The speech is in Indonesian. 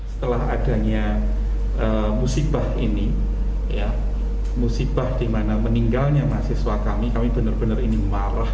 setelah adanya musibah ini musibah di mana meninggalnya mahasiswa kami kami benar benar ini marah